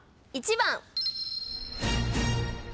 １番。